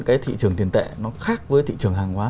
cái thị trường tiền tệ nó khác với thị trường hàng hóa